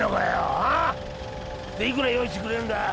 ああっ！？でいくら用意してくれるんだ？